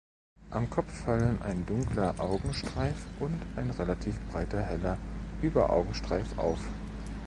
Am Kopf fallen ein dunkler Augenstreif und ein relativ breiter heller Überaugenstreif auf.